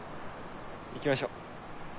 行きましょう。